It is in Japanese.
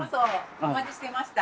お待ちしてました。